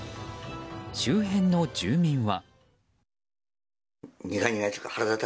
周辺の住民は。